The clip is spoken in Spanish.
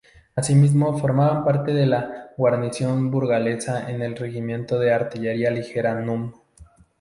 Asimismo formaban parte de la guarnición burgalesa el regimiento de artillería ligera núm.